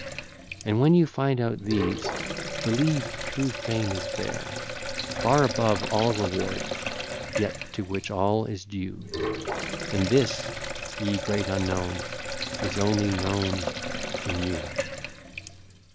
And when you find out these, believe true Fame is there, Far above all reward, yet to which all is due: And this, ye great unknown! is only known in you.